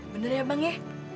bener ya bang ye